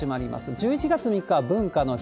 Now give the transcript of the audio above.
１１月３日は文化の日。